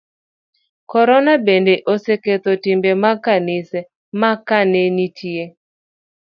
Korona bende oseketho timbe mag kanise, ma ka ne nitie